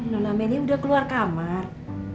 non amelie udah keluar kamar